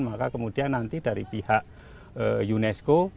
maka kemudian nanti dari pihak unesco